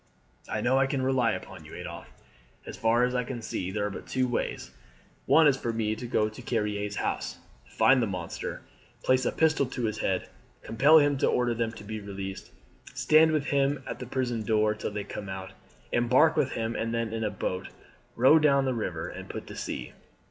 "I know I can rely upon you, Adolphe. As far as I can see there are but two ways. One is for me to go to Carrier's house, find the monster, place a pistol at his head, compel him to order them to be released, stand with him at the prison door till they come out, embark with him and them in a boat, row down the river, and put to sea."